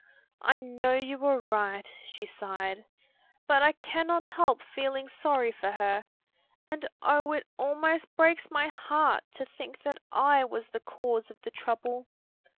"I know you are right," she sighed, "but I cannot help feeling sorry for her, and oh it almost breaks my heart to think that I was the cause of the trouble."